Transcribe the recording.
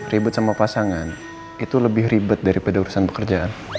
ribet sama pasangan itu lebih ribet daripada urusan pekerjaan